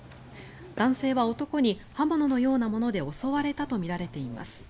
男性は男に刃物のようなもので襲われたとみられています。